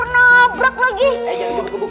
eh jangan dibongkok bongkok ya